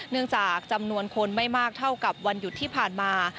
จากจำนวนคนไม่มากเท่ากับวันหยุดที่ผ่านมา